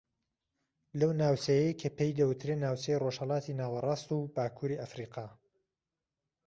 لەو ناوچەیەی کە پێی دەوتری ناوچەی ڕۆژھەڵاتی ناوەڕاست و باکووری ئەفریقا